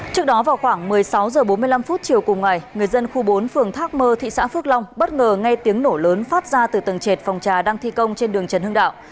trước đó vào khoảng một mươi sáu h bốn mươi năm chiều cùng ngày người dân khu bốn phường thác mơ thị xã phước long bất ngờ nghe tiếng nổ lớn phát ra từ tầng trệt phòng trà đang thi công trên đường trần hưng đạo